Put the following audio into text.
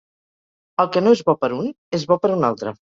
El que no és bo per un, és bo per un altre.